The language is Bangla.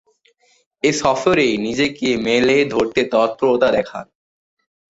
এ সফরেই নিজেকে মেলে ধরতে তৎপরতা দেখান।